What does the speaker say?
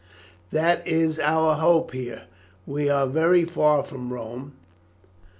"That is our hope here; we are very far from Rome.